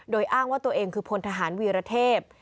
โดยอ้างว่าตัวเองคือพลทหารวีรเทพ